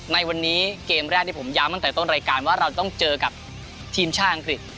ในวันนี้เกมแรกที่ผมย้ำตั้งแต่ต้นรายการว่าเราต้องเจอกับทีมชาติอังกฤษ